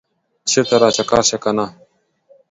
چرته راچکر شه کنه